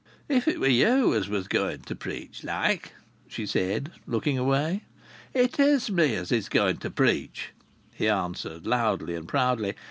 "If it was you as was going to preach like!" she said, looking away. "It is me as is going to preach," he answered loudly and proudly.